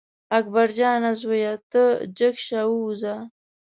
اکبر جانه زویه ته جګ شه ووځه.